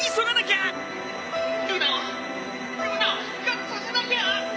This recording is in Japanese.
ルナをルナを復活させなきゃ。